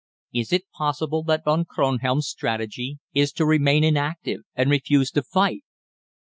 "Is it possible that Von Kronhelm's strategy is to remain inactive, and refuse to fight?